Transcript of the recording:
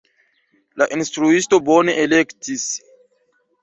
La instruisto bone elektis.